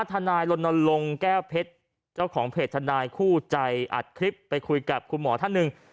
ทนายลนลงแก้วเพชรเจ้าของเพจทนายคู่ใจอัดคลิปไปคุยกับคุณหมอท่านหนึ่ง